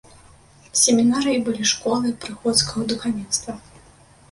Семінарыі былі школай прыходскага духавенства.